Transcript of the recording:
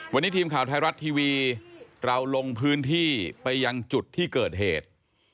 วันนี้ทีมข่าวไทยรัฐทีวีเราลงพื้นที่ไปยังจุดที่เกิดเหตุ